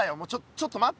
ちょっと待って。